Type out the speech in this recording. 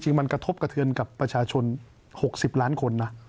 มันกระทบกระเทือนกับประชาชน๖๐ล้านคนนะ